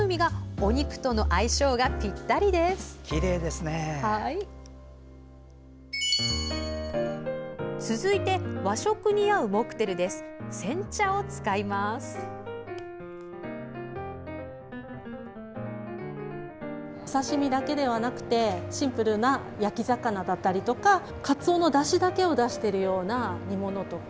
お刺身だけではなくてシンプルな焼き魚だったりとかかつおのだしだけを出しているような煮物とか。